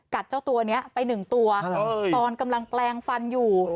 เจ้าตัวนี้ไป๑ตัวตอนกำลังแปลงฟันอยู่